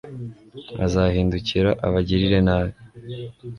azahindukira abagirire nabi